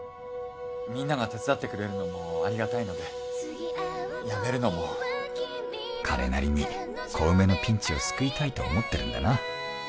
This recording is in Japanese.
みんなが手伝ってくれるのもありがたいのでやめるのも彼なりに小梅のピンチを救いたいと思ってるんだな